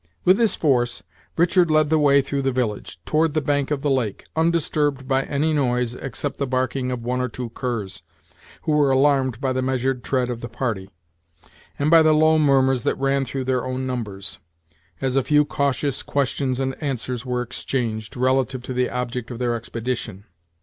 With this force Richard led the way through the village, toward the bank of the lake, undisturbed by any noise, except the barking of one or two curs, who were alarmed by the measured tread of the party, and by the low murmurs that ran through their own numbers, as a few cautious questions and answers were exchanged, relative to the object of their expedition.